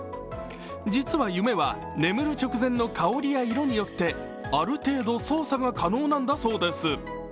実は夢は眠る直前の香りや色によってある程度操作が可能なんだそうです。